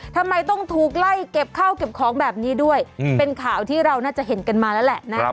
ทำไมต้องถูกไล่เก็บข้าวเก็บของแบบนี้ด้วยเป็นข่าวที่เราน่าจะเห็นกันมาแล้วแหละนะ